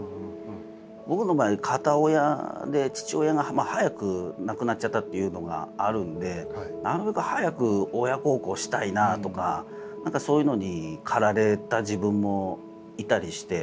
僕の場合は片親で父親が早く亡くなっちゃったっていうのがあるのでなるべく早く親孝行したいなとか何かそういうのに駆られた自分もいたりして。